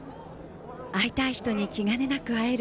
会いたい人に気兼ねなく会える。